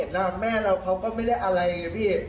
อย่าใช้เขาเราเลือกเขาผิดหน่อยนะพี่